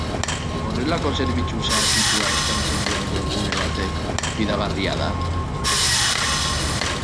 Horrelako zerbitzu zaharkitua eskaintzen duen webgune batek fidagarria da?